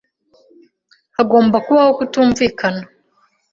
Hagomba kubaho kutumvikana.